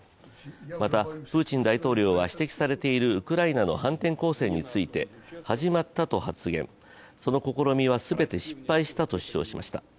また、プーチン大統領は指摘されているウクライナの反転攻勢について始まったと発言、その試みは全て失敗したと主張しました。